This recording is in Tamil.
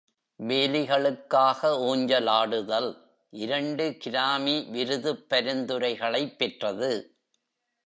"வேலிகளுக்காக ஊஞ்சலாடுதல்" இரண்டு கிராமி விருதுப் பரிந்துரைகளைப் பெற்றது.